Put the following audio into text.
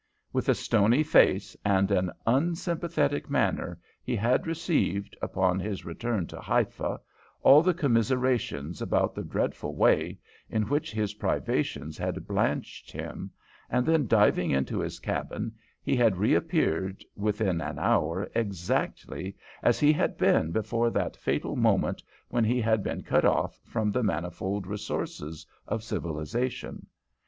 With a stony face and an unsympathetic manner he had received, upon his return to Haifa, all the commiserations about the dreadful way in which his privations had blanched him, and then diving into his cabin, he had reappeared within an hour exactly as he had been before that fatal moment when he had been cut off from the manifold resources of civilisation.